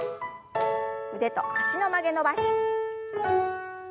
腕と脚の曲げ伸ばし。